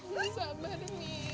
umi sabar mi